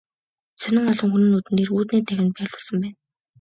Сонин олон хүний нүдэн дээр үүдний танхимд байрлуулсан байна.